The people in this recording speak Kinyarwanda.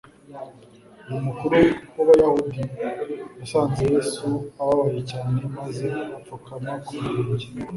uyu mukuru w’abayahudi yasanze yesu ababaye cyane maze apfukama ku birenge